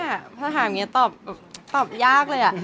ถ้าถามอย่างนี้ตอบยากเลย